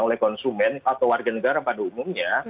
oleh konsumen atau warga negara pada umumnya